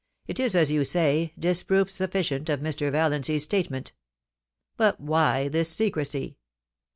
It is, as you say, disproof sufficient of Mr. Valiancy's statement But why this secrecy